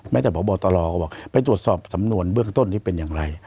จากพบตรก็บอกไปตรวจสอบสำนวนเบื้องต้นที่เป็นอย่างไร